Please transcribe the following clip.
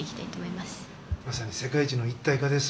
まさに世界一の一体化です。